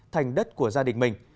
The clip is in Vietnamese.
thành đất của gia đình mình